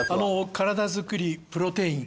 体づくりプロテイン。